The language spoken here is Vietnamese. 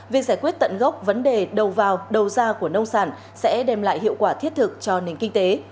việc giải quyết tận gốc vấn đề đầu vào đầu ra của nông sản sẽ đem lại hiệu quả thiết thực cho nền kinh tế